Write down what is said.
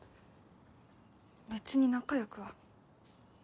べつに仲良くは。